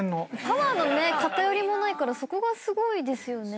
パワーの偏りもないからそこがすごいですよね。